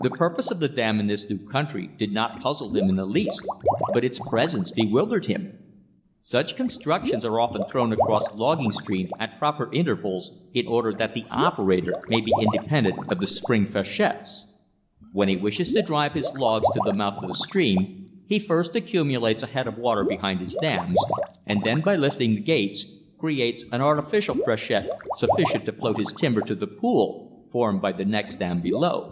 The purpose of the dam in this new country did not puzzle him in the least, but its presence bewildered him. Such constructions are often thrown across logging streams at proper intervals in order that the operator may be independent of the spring freshets. When he wishes to "drive" his logs to the mouth of the stream, he first accumulates a head of water behind his dams, and then, by lifting the gates, creates an artificial freshet sufficient to float his timber to the pool formed by the next dam below.